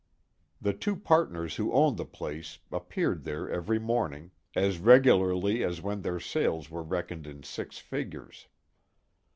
The two partners who owned the place appeared there every morning, as regularly as when their sales were reckoned in six figures.